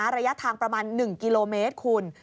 ระยะทางประมาณ๑กิโลเมตรคุณ